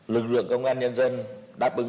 lực lượng công an nhân dân